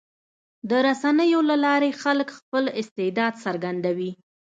د رسنیو له لارې خلک خپل استعداد څرګندوي.